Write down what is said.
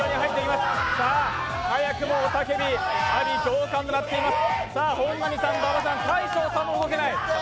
さあ、早くも雄たけび、阿鼻叫喚ととなっています。